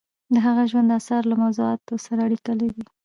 د هغه ژوند د اثارو له موضوعاتو سره اړیکه لري.